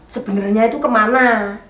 sebenarnya itu kemana